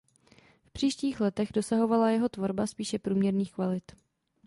V příštích letech dosahovala jeho tvorba spíše průměrných kvalit.